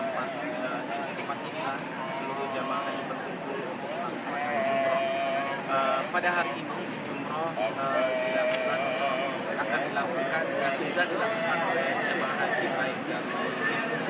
ya saat ini saya masih berada di kacholina di mana tempat ini tempat inilah seluruh jemaah haji berbuku